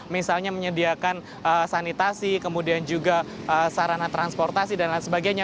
misalnya menyediakan sanitasi kemudian juga sarana transportasi dan lain sebagainya